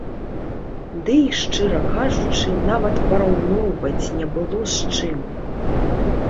Дый, шчыра кажучы, нават параўноўваць не было з чым.